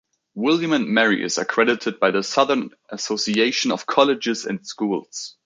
William and Mary is accredited by the Southern Association of Colleges and Schools.